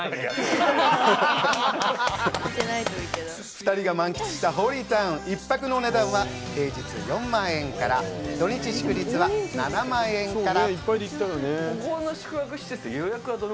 ２人が満喫したＨｏｌｙＴｏｗｎ１泊のお値段は平日は４万円から、土日祝日は７万円から。